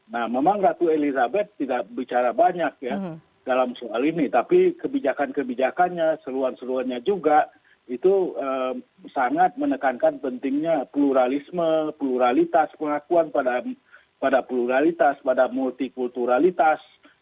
nah memang ratu elizabeth tidak bicara banyak ya dalam soal ini tapi kebijakan kebijakannya seruan seruannya juga itu sangat menekankan pentingnya pluralisme pluralitas pengakuan pada pluralitas pada multikulturalitas